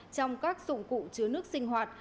trong các dụng cụ chứa nước sinh hoạt